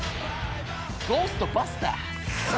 「ゴーストバスターズ」。